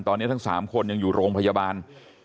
ตอนนี้ทั้ง๓คนยังอยู่โรงพยาบาล